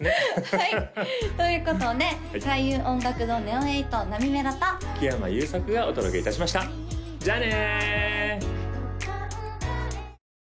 はいということで開運音楽堂ＮＥＯ８なみめろと木山裕策がお届けいたしましたじゃあね